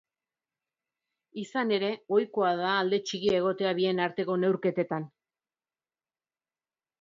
Izan ere, ohikoa da alde txikia egotea bien arteko neurketetan.